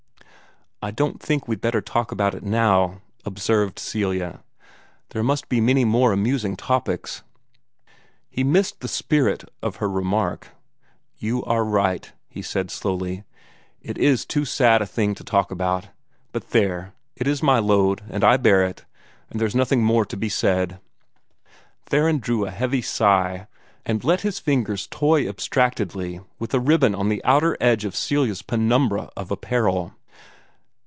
"I don't think we'd better talk about it now," observed Celia. "There must be many more amusing topics." He missed the spirit of her remark. "You are right," he said slowly. "It is too sad a thing to talk about. But there! it is my load, and I bear it, and there's nothing more to be said." Theron drew a heavy sigh, and let his fingers toy abstractedly with a ribbon on the outer edge of Celia's penumbra of apparel.